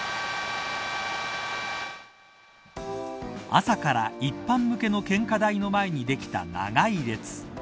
朝から一般向けの献花台の前にできた長い列。